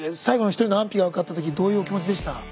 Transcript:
最後の１人の安否が分かった時どういうお気持ちでした？